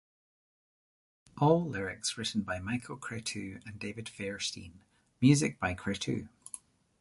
All lyrics written by Michael Cretu and David Fairstein, music by Cretu.